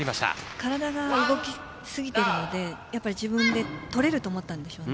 体が動きすぎているので自分で取れると思ったんでしょうね。